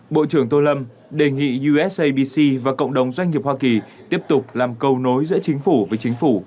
bộ trưởng tô lâm đề nghị usabc và cộng đồng doanh nghiệp hoa kỳ tiếp tục làm cầu nối giữa chính phủ với chính phủ